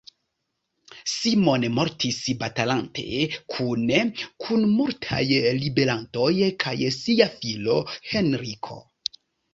Simon mortis batalante, kune kun multaj ribelantoj kaj sia filo Henriko.